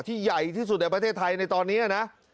ใหญ่ที่สุดในประเทศไทยในตอนนี้นะ